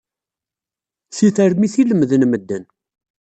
Seg termit i lemmden medden.